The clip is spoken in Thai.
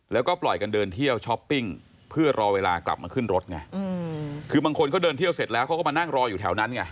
แล้วก็ปล่อยกันเดินเที่ยวช้อปปิ้งเพื่อรอเวลากลับมาขึ้นรถไงคือบางคนเขาเดินเที่ยวเสร็จแล้วเขาก็มานั่งรออยู่แถวนั้นไง